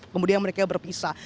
kemudian mereka berpisah